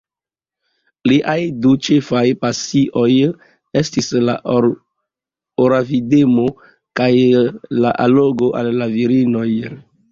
Liaj du ĉefaj pasioj estis la or-avidemo kaj la allogo al la virinoj.